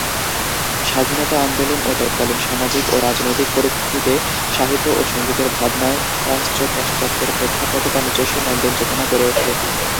স্বাধীনতা আন্দোলন ও তৎকালীন সামাজিক ও রাজনৈতিক পরিস্থিতিতে, সাহিত্য ও সঙ্গীতের ভাবনায়, প্রাচ্য-পাশ্চাত্যের প্রেক্ষাপটে তার নিজস্ব নন্দন চেতনা গড়ে ওঠে।